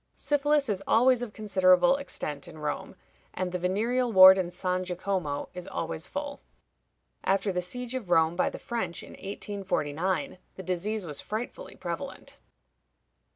Syphilis is always of considerable extent in Rome, and the venereal ward in San Jacomo is always full. After the siege of Rome by the French in 1849, the disease was frightfully prevalent.